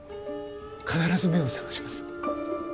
必ず目を覚まします